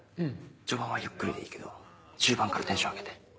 序盤はゆっくりでいいけど中盤からテンション上げて。